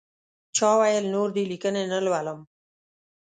چا ویل نور دې لیکنې نه لولم.